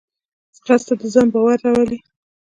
ځغاسته د ځان باور راولي